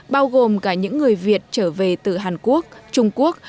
bao gồm cả những người việt trở về từ hàn quốc trung quốc